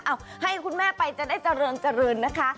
เอ้าให้คุณแม่ไปจะได้เจริญนะคะ